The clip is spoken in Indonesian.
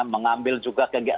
mengambil juga kegiatan